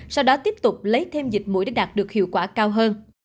sau đó tiếp tục lấy thêm dịch mũi để đạt được hiệu quả cao hơn